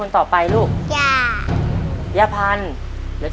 ปีหน้าหนูต้อง๖ขวบให้ได้นะลูก